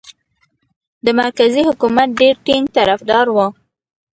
د مرکزي حکومت ډېر ټینګ طرفدار وو.